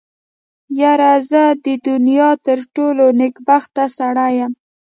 يره زه د دونيا تر ټولو نېکبخته سړی يم.